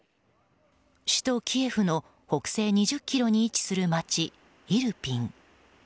首都キエフの北西２０ｋｍに位置する街、イルピン。